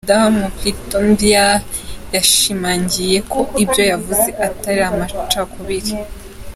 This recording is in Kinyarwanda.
Madamu Pletnyova yashimangiye ko ibyo yavuze atari amacakubiri.